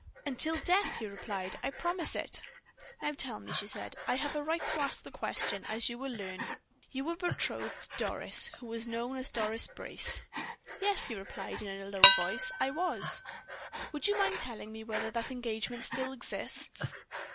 "Until death!" he replied. "I promise it." "Now tell me," she said "I have a right to ask the question, as you will learn you were betrothed to Doris, who was known as Doris Brace." "Yes," he replied in a low voice, "I was." "Would you mind telling me whether that engagement still exists?"